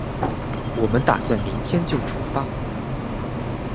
我们打算明天就出发